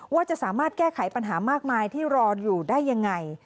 ว่าจะสามารถแก้ไขปัญหามากมายที่รออยู่ได้ยังไง